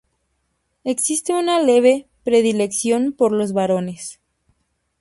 Existe una leve predilección por los varones.